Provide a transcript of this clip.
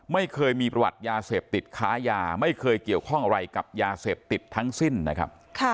ไม่เคยมีประวัติยาเสพติดค้ายาไม่เคยเกี่ยวข้องอะไรกับยาเสพติดทั้งสิ้นนะครับ